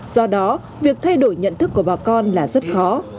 do đó việc thay đổi nhận thức của bà con là rất khó